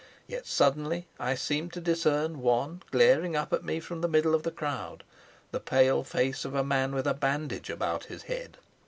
Yet suddenly I seemed to discern one glaring up at me from the middle of the crowd the pale face of a man with a bandage about his head.